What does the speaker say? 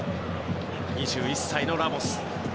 ２１歳のラモス。